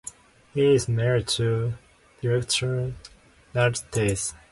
He is married to director Nadia Tass.